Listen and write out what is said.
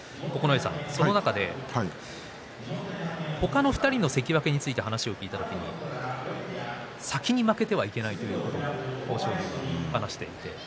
その中で他の２人の関脇について話を聞いた時に先に負けてはいけないという話をしていました。